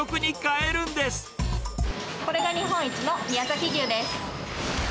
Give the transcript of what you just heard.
これが日本一の宮崎牛です。